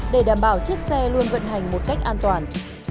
để đảm bảo chiếc xe luôn vận hành một cách an toàn